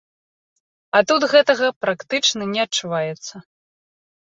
А тут гэтага практычна не адчуваецца.